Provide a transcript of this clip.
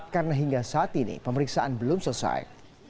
karena hingga saat ini pemeriksaan belum selesai